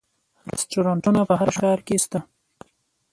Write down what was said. رستورانتونه په هر ښار کې شته